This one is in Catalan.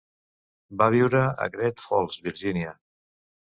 Va viure a Great Falls, Virgínia.